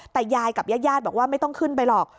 แต่ยายกับญาติบอกว่าไม่ต้องขึ้นไปหรอก